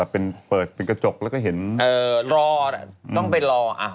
เปิดเป็นกระจกแล้วก็เห็นแหละเออรอนั่นต้องไปรอ